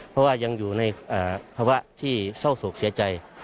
เพราะว่ายังอยู่ในภาวะที่เศร้าโศกเสียใจ